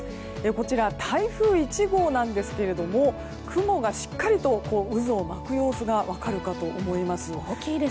こちら、台風１号なんですが雲がしっかりと渦を巻く様子が分かるかと思います。